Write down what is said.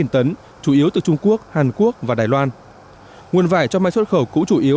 tám trăm bảy mươi sáu tấn chủ yếu từ trung quốc hàn quốc và đài loan nguồn vải cho may xuất khẩu cũ chủ yếu